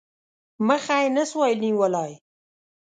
مخه یې نه سوای نیولای.